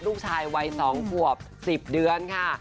ลูกชายวัย๒ขวบ๑๐เดือนค่ะ